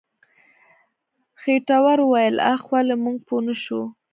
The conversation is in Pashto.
خېټور وويل اخ ولې موږ پوه نه شو.